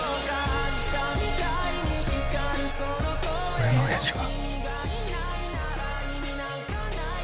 俺の親父は。